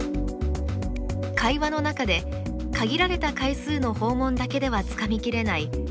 会話の中で限られた回数の訪問だけではつかみきれない悩みや心配